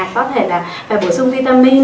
có thể là phải bổ sung vitamin